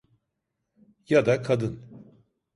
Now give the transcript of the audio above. Ya da kadın.